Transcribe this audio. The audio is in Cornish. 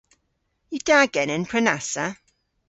Yw da genen prenassa?